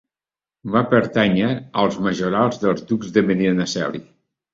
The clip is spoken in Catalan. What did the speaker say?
Va pertànyer als majorals dels Ducs de Medinaceli.